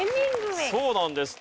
そうなんです。